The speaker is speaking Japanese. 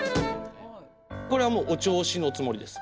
これはもうお銚子のつもりです。